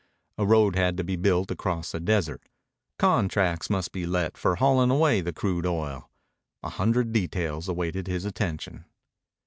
A road had to be built across the desert. Contracts must be let for hauling away the crude oil. A hundred details waited his attention.